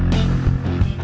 saya akan menemukan mereka